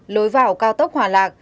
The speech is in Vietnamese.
lối vào cao tốc hòa lạc